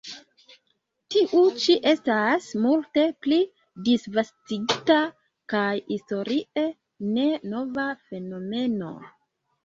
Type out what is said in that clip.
Tiu ĉi estas multe pli disvastigita kaj historie ne nova fenomeno.